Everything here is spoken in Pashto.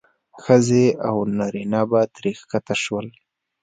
ښځې او نارینه به ترې راښکته شول.